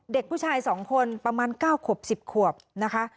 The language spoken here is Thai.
เด็กผู้ชาย๒คนประมาณ๙ขวบ๑๐ขวบนะคะ